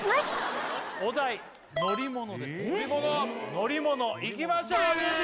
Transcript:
「乗り物」いきましょう